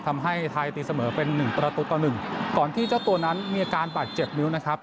ทำให้ท้ายตีเสมอเป็น๑ตระตุกต่อ๑ก่อนที่เจ้าตัวนั้นมีอาการบาดเจ็บนิ้วนะครับ